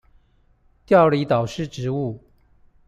調離導師職務